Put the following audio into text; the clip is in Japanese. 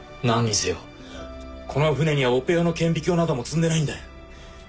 何にせよこの船にはオペ用の顕微鏡なども積んでないんだよ。